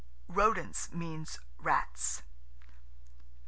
–Rodents mean rats.)